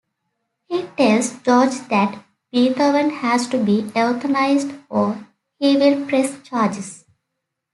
He tells George that Beethoven has to be euthanized or he will press charges.